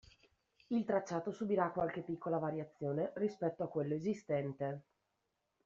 Il tracciato subirà qualche piccola variazione rispetto a quello esistente.